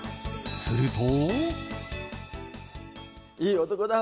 すると。